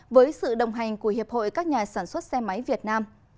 với sự đồng hành của hiệp hội các nhà sản xuất xe máy việt nam